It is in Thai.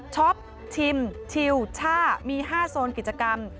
ชิมชิลช่ามี๕โซนกิจกรรม